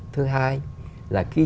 thứ hai là khi